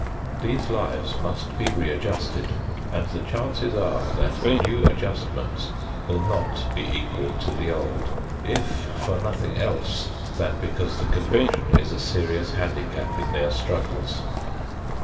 These lives must be readjusted, and the chances are that the new adjustments will not be equal to the old, if for nothing else than because the conviction is a serious handicap in their struggles.